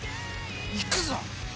行くぞ。